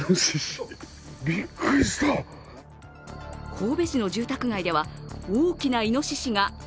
神戸市の住宅街では大きないのししが。